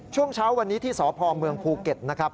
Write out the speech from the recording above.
ช่วงเช้าวันนี้ที่สพเมืองภูเก็ตนะครับ